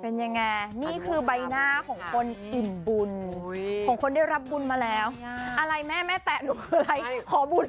เป็นยังไงนี่คือใบหน้าของคนอิ่มบุญของคนได้รับบุญมาแล้วอะไรแม่แม่แตะดูคืออะไรขอบุญ